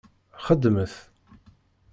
Xedmet!